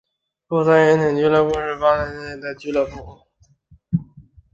布赛廷俱乐部是巴林布赛廷的一个足球俱乐部。